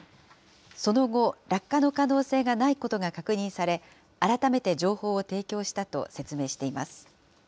その後、落下の可能性がないことが確認され、改めて情報を提供したと説明しています。